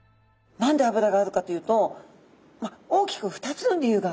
何で脂があるかというと大きく２つの理由が考えられますね。